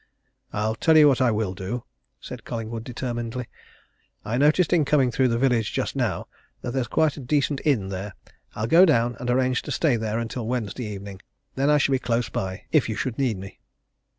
"I'll tell you what I will do," said Collingwood determinedly. "I noticed in coming through the village just now that there's quite a decent inn there. I'll go down and arrange to stay there until Wednesday evening then I shall be close by if you should need me."